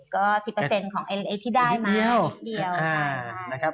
ก็๑๐ของที่ได้มานิดเดียวค่ะ